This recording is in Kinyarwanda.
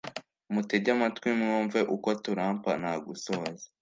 Mutege amatwi mwumve uko turappa nta gusoza